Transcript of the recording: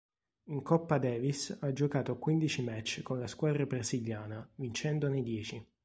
In Coppa Davis ha giocato quindici match con la squadra brasiliana vincendone dieci.